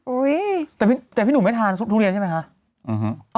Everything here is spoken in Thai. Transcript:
แต่พี่หนุ่มไม่ทานทุเรียนใช่ไหมคะ